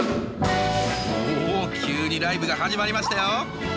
おお急にライブが始まりましたよ。